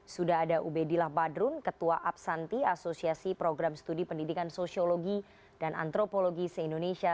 sudah ada ubedillah badrun ketua absanti asosiasi program studi pendidikan sosiologi dan antropologi se indonesia